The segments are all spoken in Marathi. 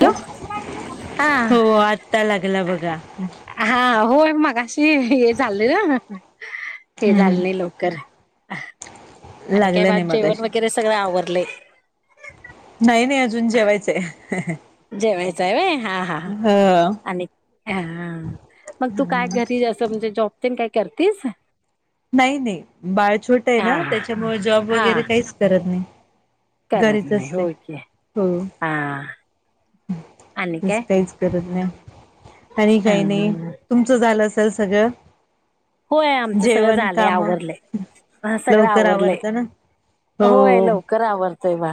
हो हा हो आत्ता लागला बघा ते हे झालं ना हे झालं हम्म. नाही लवकर [inaudible] आणि काय लागलं बा नाही जेवण मगाशी वगैरे सगळं आवरलंय. नाही नाही अजून जेवायचंय. जेवायचय व्हय. हा हा ह. आणि हा हा मग तू काय घरी असं म्हणजे जॉब तिन काय करतीस नाही नाही बाळ छोट आहे हा ना त्याच्यामुळे जॉब हा वगैरे काहीच करत नाही. करत घरीच नाही असते होय की हा आणि तस काय काहीच करत नाय. आणि अ काही नाही तुमचं झालं सल सगळं होय आमच सगळं जेवण झालय काम आवरलय सगळं लवकर आवरलय आवरतं ना हो होय लवकर आवरतय बा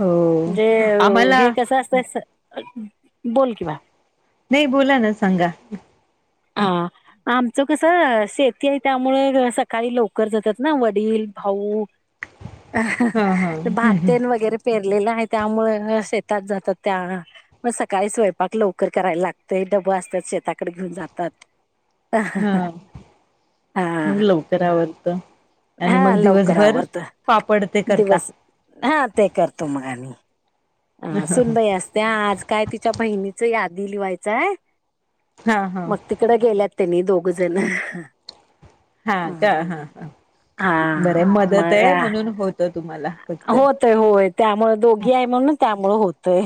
हो जे आम्हाला हे कसं असत स बोल की बाळ नाही बोला ना सांगा हा आमचं कसं शेती आहे. त्यामुळे सकाळी लवकर जातात ना वडील, भाऊ हा हा. भात तेन वगैरे पेर रेल आहे त्यामुळे शेतात जातात त्या सकाळी स्वयंपाक लवकर करायला लागतय डबं असतात शेताकडे घेऊन जाता तात. हा मग लवकर आवरत आणि हा मग लवकर दिवसभर आवरंत पापड ते करता दिवस हा ते करतो मग आणि अ सुनबाई असते आज काय तिच्या बहिणीच याद दिली व्हायचा आहे. हा हा मग तिकड गेल्यात. त्यांनी दोघ जण हा का हा हा बरं हा आहे मदत मग आहे म्हणून होत तुम्हाला पटकन होतय होय त्यामुळे दोघी आहे म्हणून हो होतय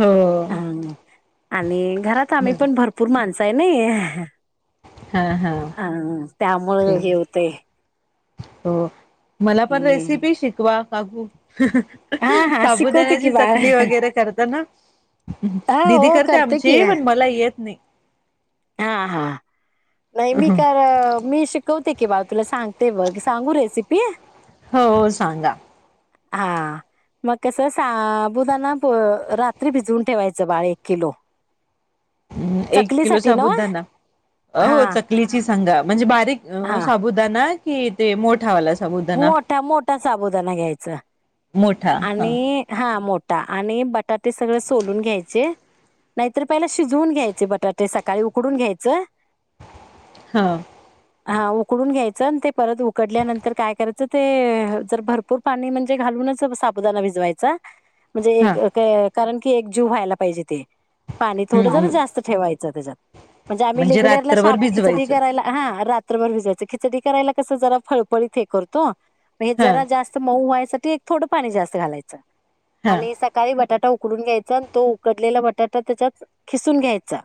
हो हान आणि आम्ही पण भरपूर माणस आहे नाहीये. हा त्यामुळ ते हे होतय. हो मला पण हम्म रेसिपी शिकवा. [unintelligible] हा हा शिकवते की साबुदाण्याची बाळ चकली वगैरे करता ना? हा दिदी हो करते आमची पण मला येत नाही. हां हां. नाही मी [unintelligible] मी शिकवते की बाळ तुला सांगते बघ सांगू रेसिपी? हो सांगा. हां मग कसं साबुदाना अ रात्री भिजवून ठेवायचं बाळ एक किलो. हम्म एक किलो चकलीसाठी नव्ह साबुदाणा अ हा हो चकलीची सांगा म्हणजे बारीक अ हा साबुदाणा ना की ते मोठावाला साबुदाणा मोठा मोठा साबुदाणा घ्यायचा मोठा हा आणि हां मो आणि बटाटे सगळ सोलून घ्यायची, नाहीतर पहिला शिजवून घ्यायचे बटाटे सकाळी उकडून घ्यायच. हा. हा उकडून घ्यायचं आणि ते परत उकडल्या नंतर काय करायचं ते जर भरपूर पाणी म्हणजे घालूनच, साबुदाना भिजवायचा. म्हणजे हा एक काय [unintelligible] कारण, की एक जीव व्हायला पाहिजे ते. पाणी हम्म थोडं जरा हम्म जास्त ठेवायचं. जा दे जा. म्हणजे, आम्ही रेग्युलरला रात्रभर साबू खिचडी भिजवायचं करायला हा रात्र भर भिजायचं खिचडी करायला कसं जरा फळफळीत हे करतो. म्हणजे हा जरा जास्त मऊ व्हाय त्यासाठी एक थोडं पाणी जास्त घालायचं. हा आणि सकाळी बटाटा उ उकडून घ्यायचा आणि तो उकडलेला बटाटा त्याच्यात खिसून घ्यायचा.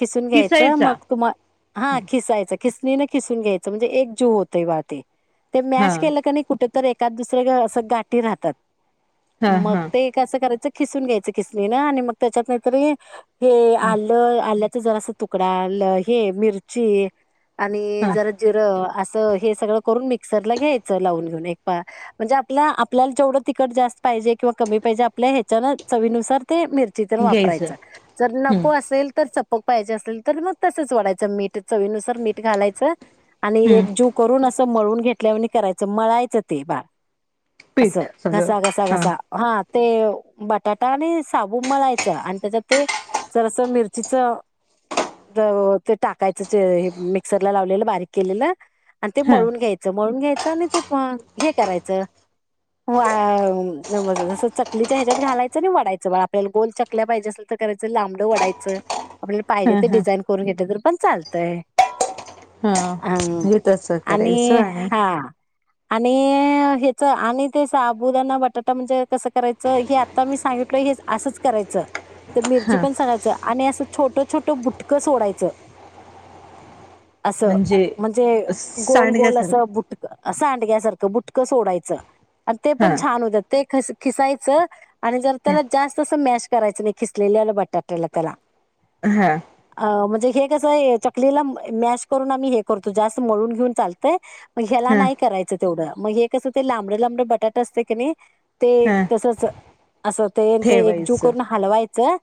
खिसून घ्यायचं मग किसायचा तुम्हा हा खिसायचं. खिसणीने खिसून घ्यायचं म्हणजे एक जीव होतंय वाट ते ते हा मॅश केलं की, नाही कुठे तर एक का दुसऱ्या गं असं गाठी राहतात. हा मग हा ते कसं करायचं खिसून घ्यायचं खिसणीनं आणि मग त्याच्यात नाहीतरी हे आलं आल्या च जरासा तुकडा ल हे मिरची आणि हा जरा जिरं असं हे सगळं करून मिक्सरला घ्यायच लावून घेऊन म्हणजे आप आपल्याला जेवढ तट जास्त पाहिजे किंवा कमी पाहिजे आपल्या ह्याच्यान चवीनुसार ते मिरचीतेन घ्यायचं वापरायच जर हम्म नको असेल तर च मग पाहिये असेल तर मग तसंच वाढायचं मीठ चवीनुसार मीठ घालायचं आणि हम्म एक जूव करून अस मळून घेतल्यावाणी करायचं मळायचं ते पीठ असं सगळं घसा घसा हा घसा हा ते बटाटा आणि साबू मळायच आणि त्याच्यात ते जरस मिरचीच ते टाकायचं मिक्सरला लावलेलं बारीक केलेलं ते हा मळून घ्यायंच मळून घ्यायच आणि ते प हे करायचं जस चकलीच्या ह्याच्या्यात घालायचं आणि वाडायचं आपल्याला गोल चकल्या पाहिजे असेल तर करायचं लांबडं वडायचं आपल्या पाहिजे हा ते हा डिझाईन करून घेतलं तर पण चाल ते हा हेेतसच आणि हा आणि ह्याच आणि ते साबुदाना बटाटा म्हणजे कसं करायचं हे आता मी सांगितल हे असंच करायचं तर मिरची हा पण सांगायचं आणि असं छोट छोट बुटकं सोडायचं असं म्हणजे गोल गोल असं सांडग्यासारखं बुटक अस सांडग्यासारखं बुटकं सोडायचं आणि ते पण हा छान होतात ते कस खिसायचं आणि जर त्याला जास्त अस मॅश करायचं नाही खिसलेले आलं बटाट्याला त्याला हा अं म्हणजे हे कस चकलीला मॅश करून आम्ही हे करतो जास्त मळून घेऊन चालतंय मग ह्याला हा नाहीं करायचं तेवढं मग हे कसं ते लांबड लांबड बटाट असतय की नाही ते हा तसच असं ते ते एकजू ठेवायचं करून हलवाय का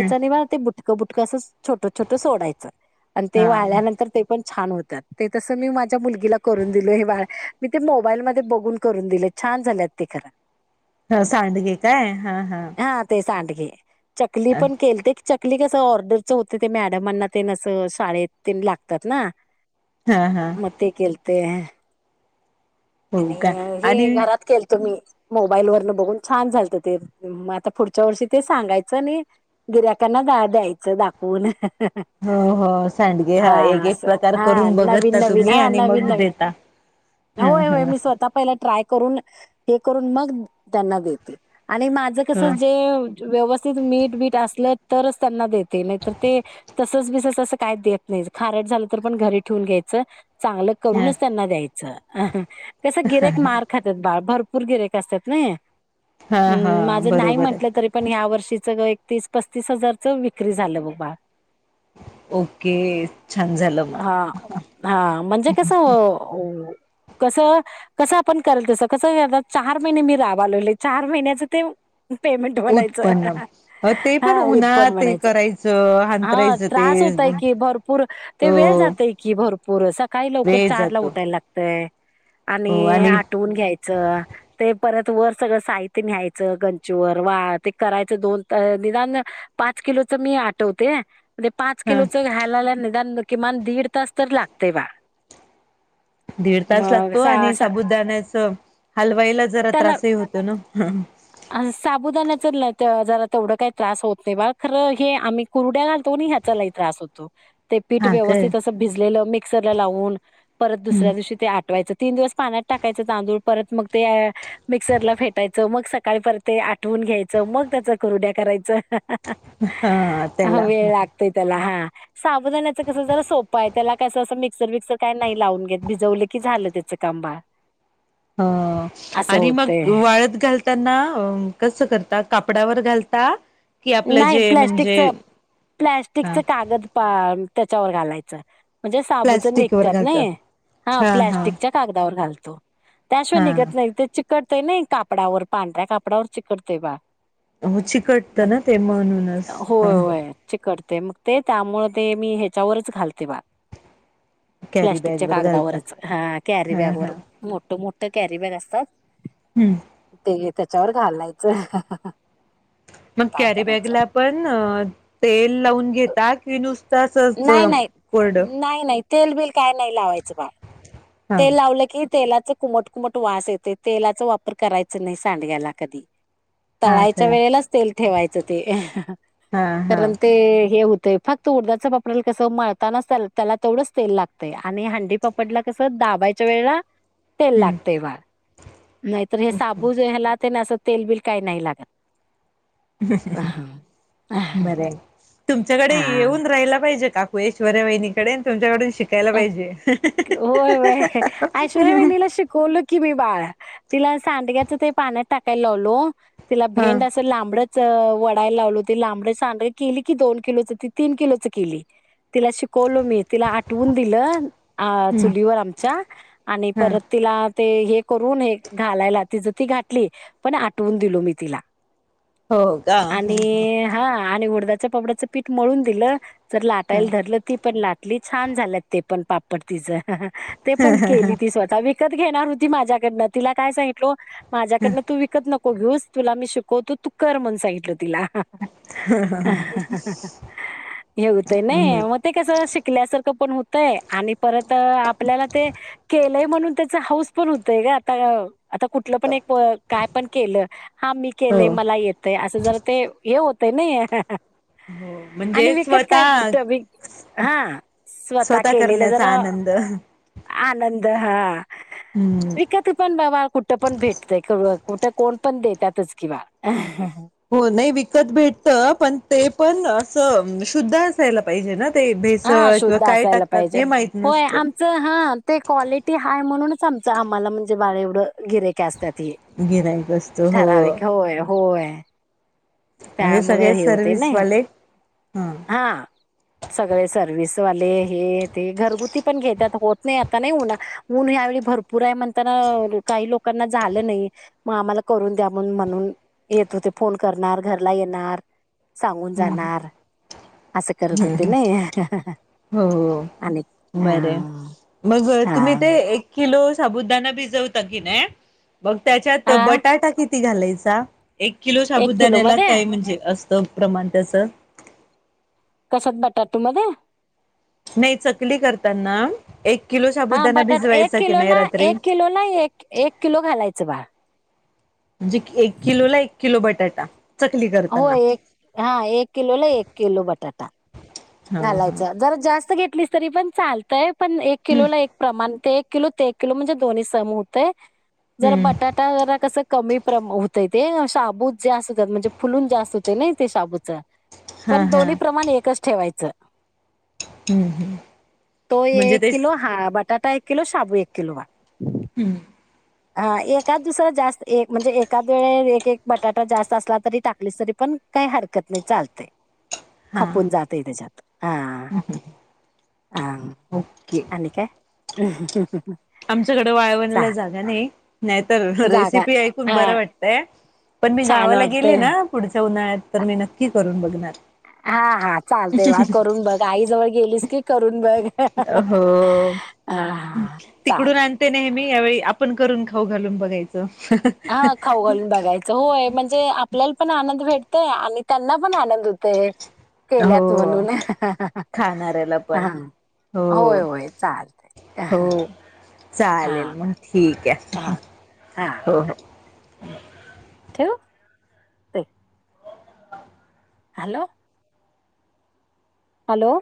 ह नाही ते त बुट कसच छोट छोटं सोडायचं आणि ते हा वाल्यानंतर ते पण छान होत्यात तसं मी माझ्या मुलगीला करून दिलो हे मी ते मोबाईल म बघून करून दिले छान झाल्यात ते खर हा सांडगे काय हा हा सांडगे चकली पण केलतेच ते कसं ऑर्डरच होत ते मॅडमांना ते शाळेत ते लागतात ना हा हा मते केत ते हो आणि का हे आणि घरात केलत मी मोबाईलवरन बगून छान झालतं ते म आता पुढच्या वर्षी ते सांगायचं आणि गिऱ्याकांना द्यायचं दाखवून हो हो सांडगे ह हा एक एक असं प्रकार हा करून नवीन बघतता नवीन तुम्ही हा आणि नवीन मग नवीन देता ह होय होय मी स्वतःपहिले [inaudible] करून ते करून मग त्यांना देते आणि माझं कस ह जे व्यवस्थित मीट बीट असलं तरच त्यांना देते नाही तरर ते तसच बीसच अस काही देत नाही खारट झालं तर पण घरी ठेऊून घ्यायचं चांगलं ह करूनच त्यांना द्याय [inaudible] [unintelligible] कस गिरेक मार खातत बाळ भर पूर गिरॅक असतात नाइ हा हा अम माझं नाही बरोबर म्हंटलं आहे तरीपण ह्या वर्षी ते सगळ एक तीस पस्तीस हजारच विक्री झालं बग बाळ ओके छान झालं अ मग ह हा म्हणजे कसं कसं कसं आपण करल तसं कसं चार महिने मी राबयलयलोय चार महिन्याच ते पेमेंट म्हणायच उत्पन्न ते पण हा उत्पन्न उन्हात हे म्हणायच करायचं हा हांतरायचं ते त्रास होतय की भरपूर ते वेळ हो जातय की भर पुूरस काय लवकर वेळ चारला जातो उठायला लाग [unintelligible] आणि आठवून घ्यायचं ते परत वर सगळं साहित्य न्याहायचं गच्चीवर वा ते करायचं दोन निदान पाच किलोच मी आटवते म पाच ह किलो चं घ्यायला ला नाही किमान दीड तास तर लागतय बाळ दीड तास लागतो आणि साबुदाण्याच हलवाईला जरा त्याला त्रासही होतो ना साबुदाण्याचं ल अ जरा तेवढं काही त्रास होत नाही बाळ, खरं हे आम्ही कुरुड्या घालतो की नाय ह्याचा लई त्रास होतो. ते पीठ हा काय व्यवस्थित असं भिजलेलं मे क्सरला लावून दुसऱ्या दिवशी ते आटवायचं तीन दिवस पाण्यात टाकायचं तांदूळ परत मग ते मिक्सरला फेटायचं मग सकाळी परत ते आटवून घ्यायचं मग त्याचं कुरुड्या करायचं. ह अ तेला. साबुदान्याचं कसं जरा सोपंय त्याला आस कसं मिक्सर बिक्सर काय नाही लावून घेत भिजवलं की झालं तेच काम बाळ. ह असं आणि होतंय. मग वाळत घाल त्यांना कसं करता कापडावर घालता? कि आपलं नाही जे म्हणजे प्लॅस्टिकचं हा प्लॅस्टिकचं कागद पा त्याच्यावर घालायचं. म्हणजे साबूचं प्लास्टिक वर निघतात नाही घालतात हा प्लॅस्टिकच्या कागदावर घाल तो त्याशिवाय हा निघत नाय ते चिक कटतय नाही कापडावर, पांढऱ्या कापडावर चिकटतंय बा हो चिकटत ना? ते म्हणूनच ह तय् मग ते त्यामुळे ते मी ह्याच्यावरच घालते बा कॅरी बॅग प्लॅस्टिकच्या वर घालता कागदावरच ह कॅरी हा हा बॅगवर मोठं मो त्या कॅरी बॅग असतात. हम्म. ते त्याच्यावर घालायचं. मग काय कॅरी बॅग करायचं. ला पण अ तेल लावून घेता कि नुस तसंच कोडं तेल बिल काय नाही लावायचं बाळ, हा तेल लावलं की तेलाचं कुमट कुमट वास येते तेलाचा वापर करायच नाही सांडग्याला कधी. हा तळायच्या काय वेळेलाच तेल ठेवायचं ते हा हा कारण ते हे हो तय फक्त उडदाचं ब आपल्याला कसं मळतानाच त्याल त्याला तेवढंच तेल लागतंय आणि हंडी पापडला कसं दाबायच्या वेळला तेल हम्म लागतंय बाळ. नाहीतर हे साबूजे ह्याला असं तेलबिल काही नाही लागत बरं तुमच्याकडे येऊन हा राहियला पाहिजे का श्वर वहिनीकडे तुमच्याकडून शिकायला अ पाहिजे. वय वय आयशर म नलाशी करलो कि मी बार तिला सांडग्याच ते पाण्यात टाकायला लावलो तिला हा भेंड असेल लांबडत वडा लावल होती लांबर चांडरे केली की दोन किलो च तीन किलो च केली तिला शिकवलो मी आटवून दिलं अ हम्म चुलीवर आमचा आणि हा परत तिला ते हे करून हे घालायला ति जं ती घाातली पण आठवून दिलो मी तिला. हो का हम् हम. आणि हा आणि उडदाच्या पापड्याचं पीठ मळून दिलं तर लाटायला धरलं ती पण लाट. छान झालेत ते पण पापड तिचं. ते पण केली ती स्वतः व विकत घेणार होती माझ्याकडनं तिला काय सांगितलो माझ्याकडन तू विकत नको घेऊस तुला मी शिकवतो तू कर म्हणून सांगितलं तिला. हे व्हतय बर नाही मग ते कस शिक पण होतय आणि परत आपल्याला ते केलंय म्हणून त्याचा हाऊस पण होतय का आता. आता कुठलं पण एक काय पण केलं हा मी हो केलेय मला येतय असं जरा ते हे होत. ते नाही. हो म्हणजे आणि विकत काय स्वतः कुठं विक हा स्वतः केलेलं करण्याचा जरा आनंद. आनंद हा. हम्म विकत पण बाबा कुठं पण भेटतय करून. कुठं कोण पण देतातच किंवा. हो नाही विकत भेटत पण ते पण असं शुद्ध असायला पाहिजे ना. ते हा भेसळ किंवा शुद्ध काय असायला टाकतात पाहिजे हे माहित होय नसतं. आमच हा ते क्वालिटी हाय म्हणून आमच आम्हाला म्हणजे बाळ एवढं गिराइक असतात. हे गिराईक असत हो. होय. म्हणजे त्यामुळ सगळे हे होत ना, सर्विसवाले हा सगळे सर्विस वाले हे ते घरगुती पण घेत्यात, होत नाही आता नाही होना ऊन ह्यावेळी भरपूर आहे, म्हणताना काही लोकांना झालं नही, म आम्हाला करून द्या म्हण म्हणून येत होते फोन करणार घरला येणार सांगून जाणार. असं करत होते नाही हो हो आणि बर ह मग तुम्ही ते एक किलो साबुदाना भिजवता की नाही. मग त्याच्यात हा बटाटा किती किती घालायचा. एक किलो एक किलो शाबूदाण्याला मध्ये काय म्हणजे अस सम प्रमाण त्याच. कश्यात बटाटू मध्ये नाही चकली करताना एक किलो हा साबुदाना बटाट एक भिजवायच की नाही किलोला रात्री एक किलोला एक एक किलो घालायचं बाळ म्हजे एक किलो ला, एक किलो बटाटा चकली हो करताना एक, हा एक किलोला, एक किलो बटा टा! हा हा घालायचं जरा जास्त घेत लीच तरी पण चालतय. पण एक हम्म किलोला, एक प्रमाण ते किलो ते एक किलो, म्हणजे दोन्ही सम होतय जरा हम्म बटाटा, जरा कस कमी प्रम होतय ते शाबू जे असतात, म्हणजे फुलून जास्त होते नाइ ते शाबूच. हा पण हा दोन्ही प्रमाण एकच. ठेवाय च. हम्म हम्म ते म्हणजे एक तेच किलो हा बट बटाटा एक किलो, शाबू एक किलो बा. हूं! हा एकाद दुसरा जास्त एक म्हणजे एकाद वेळे एक, एक, बटाटा जास्त असला तरी टाकलीस तरी पण काही हरकत नाही चालतय. हा खपून जाते त्याच्यात हा ओके आणि काय? [unintelligible] आमच्याकडे वाळवणा चालेल. ला जागा नाही नाहीतर जागा रेसिपी ऐकून हा बरं वाटतय, पण मी छान गावाला गेली वाटतय ना पुढच्या उन्हाळ्यात तर मी नक्की करून बघणार. हा हा चालते वा करून बघ आई जवळ गेलीस की करून बघ हो हा तिकडून चालतय आणते नेहमी यावेळी आपण करून खाऊ घालून बघायचं हा खाऊ घालून बघायचं होय म्हणजे आपल्याला पण आनंद भेट ते आणि त्यांना पण आनंद होत केल्याच हो म्हणून खाणाऱ्याला पण हा हो होय होय चालत हो चालेल मग ठीक आहे हा हो ठेवू हॅलो हॅलो